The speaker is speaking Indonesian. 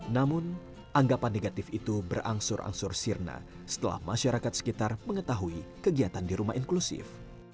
namun anggapan negatif itu berangsur angsur sirna setelah masyarakat sekitar mengetahui kegiatan di rumah inklusif